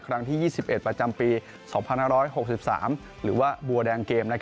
ครั้งที่๒๑ประจำปี๒๕๖๓หรือว่าบัวแดงเกม